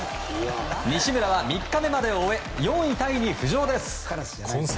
西村は３日目までを終え４位タイに浮上です。